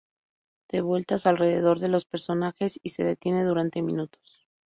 Da vueltas alrededor de los personajes y se detiene durante minutos.